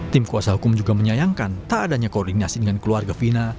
tim kuasa hukum juga menyayangkan tak adanya koordinasi dengan keluarga fina